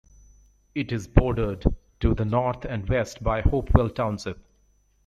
It is bordered to the north and west by Hopewell Township.